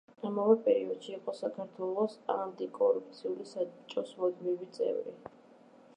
ამავე პერიოდში იყო საქართველოს ანტიკორუფციული საბჭოს მუდმივი წევრი.